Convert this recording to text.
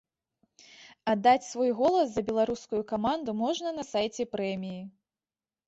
Аддаць свой голас за беларускую каманду можна на сайце прэміі.